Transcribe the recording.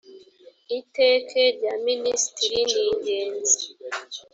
iteke rya mininisitiri ningenzi.